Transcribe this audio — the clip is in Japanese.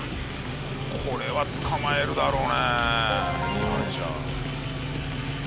これは捕まえるだろうねえ違反者。